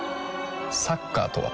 サッカーとは？